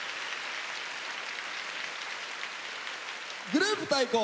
「グループ対抗！